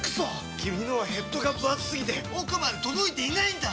君のはヘッドがぶ厚すぎて奥まで届いていないんだっ！